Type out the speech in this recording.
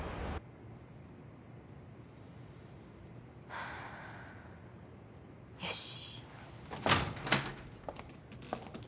はぁよし。